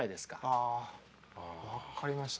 ああ分かりました。